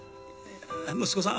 息子さん